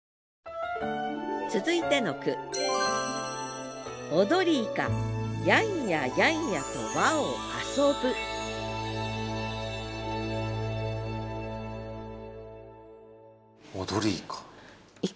続いての句「踊りイカ」。